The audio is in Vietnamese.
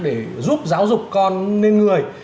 để giúp giáo dục con lên người